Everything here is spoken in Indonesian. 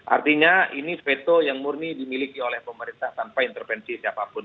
artinya ini veto yang murni dimiliki oleh pemerintah tanpa intervensi siapapun